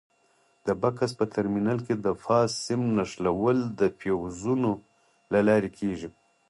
د بکس په ترمینل کې د فاز سیم نښلول د فیوزونو له لارې کېږي.